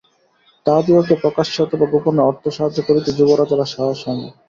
তাহাদিগকে প্রকাশ্যে অথবা গোপনে অর্থ সাহায্য করিতে যুবরাজের আর সাহস হয় না।